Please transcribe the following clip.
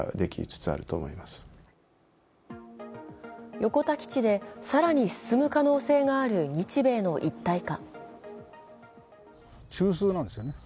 横田基地で更に進む可能性がある日米の一体化。